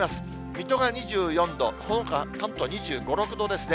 水戸が２４度、そのほか関東、２５、６度ですね。